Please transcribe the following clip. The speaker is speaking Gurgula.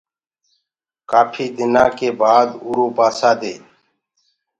ڪآڦي دنآ ڪي بآد اُرو پآسآ دي